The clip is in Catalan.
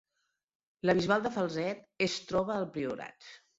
La Bisbal de Falset es troba al Priorat